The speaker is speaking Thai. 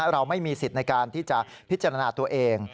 เราไม่มีสิทธิ์ในการที่จะพิจารณาตัวเอง